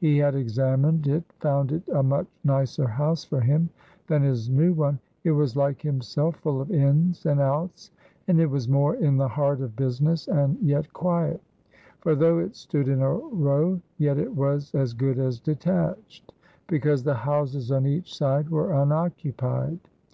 He had examined it, found it a much nicer house for him than his new one it was like himself, full of ins and outs, and it was more in the heart of business and yet quiet; for, though it stood in a row, yet it was as good as detached, because the houses on each side were unoccupied.